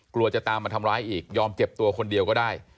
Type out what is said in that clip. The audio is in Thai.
กลัวจะตามมาทำร้ายอีกยอมเจ็บตัวคนเดียวก็ได้